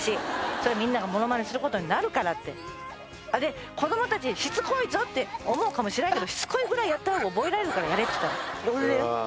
それみんながモノマネすることになるからってあれ子供達しつこいぞって思うかもしらんけどしつこいぐらいやった方が覚えられるからやれっつったの俺だよ